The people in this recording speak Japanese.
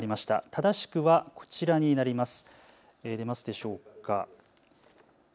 正しくはこちらになります。